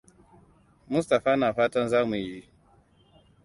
Mustapha na fatan za mu yi.